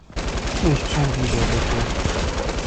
Nicht schon wieder, bitte.